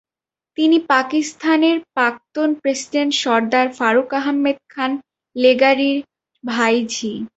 তিনি পাকিস্তানের প্রাক্তন প্রেসিডেন্ট সরদার ফারুক আহমেদ খান লেগারির ভাইঝি।